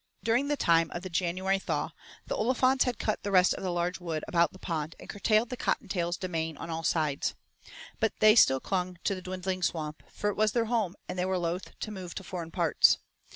During the time of the January thaw the Olifants had cut the rest of the large wood about the pond and curtailed the Cottontails' domain on all sides. But they still clung to the dwindling Swamp, for it was their home and they were loath to move to foreign parts.